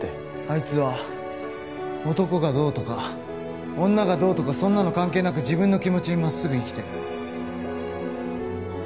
あいつは男がどうとか女がどうとかそんなの関係なく自分の気持ちに真っすぐ生きてる。